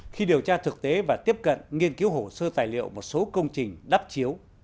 khi điều tra thực tế và tiếp cận nghiên cứu hồ sơ tài liệu một số công trình đắp chiếu